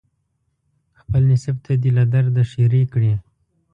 خپل نصیب ته دې له درده ښیرې کړي